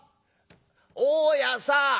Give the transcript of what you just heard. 大家さん！